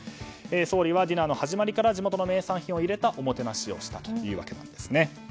総理はディナーの始まりから地元の名産品を入れたおもてなしをしたということです。